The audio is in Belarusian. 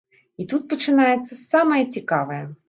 І тут пачынаецца самае цікавае.